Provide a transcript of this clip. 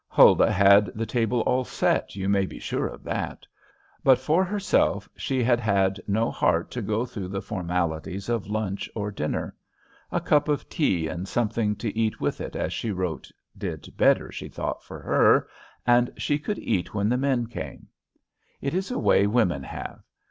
Huldah had the table all set, you may be sure of that; but, for herself, she had had no heart to go through the formalities of lunch or dinner. A cup of tea and something to eat with it as she wrote did better, she thought, for her, and she could eat when the men came. It is a way women have.